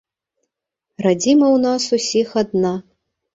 Радзіма ў нас усіх адна.